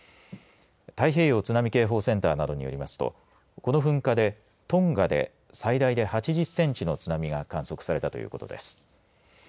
太平洋津波警報センターなどによりますとこの噴火でトンガで最大で８０センチの津波が観測されたということです。